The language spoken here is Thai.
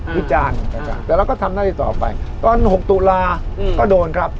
วิจารณ์แต่เราก็ทำหน้าที่ต่อไปตอน๖ตุลาก็โดนครับ